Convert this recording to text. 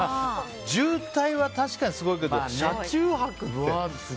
渋滞は確かにすごいけど車中泊って。